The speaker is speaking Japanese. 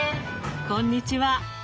こんにちは。